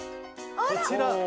こちら。